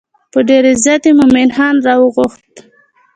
په ډېر عزت یې مومن خان راوغوښت.